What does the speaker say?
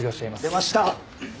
出ました。